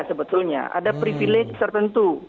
sebetulnya ada privilege tertentu